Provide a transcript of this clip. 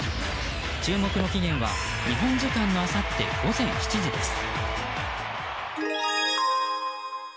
注目の期限は日本時間のあさって午前７時です。